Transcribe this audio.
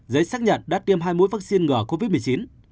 giấy xác nhận đã tiêm hai mũi vaccine ngừa covid một mươi chín